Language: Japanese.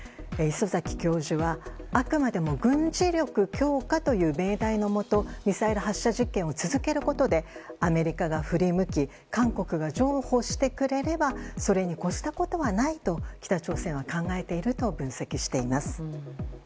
礒崎教授はあくまでも軍事力強化という命題のもとミサイル発射実験を進めることでアメリカが振り向き韓国が譲歩してくれればそれに越したことはないと北朝鮮は考えていると分析しています。